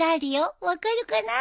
分かるかな？